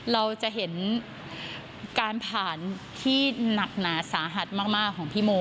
เราจะเห็นการผ่านที่หนักหนาสาหัสมากของพี่โม